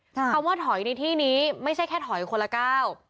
คำว่าถอยในที่นี้ไม่ใช่แค่ถอยคนละก้าว